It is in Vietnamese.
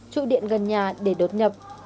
trụ điện gần nhà để đột nhập